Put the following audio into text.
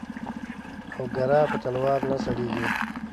او گره په تلوار نه سړېږي.